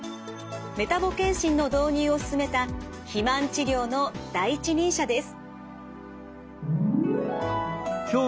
メタボ健診の導入を進めた肥満治療の第一人者です。